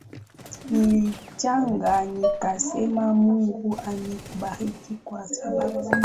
nilishagaa nikasema mungu amubariki kwa sababu